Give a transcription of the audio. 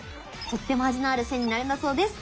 とっても味のある線になるんだそうです。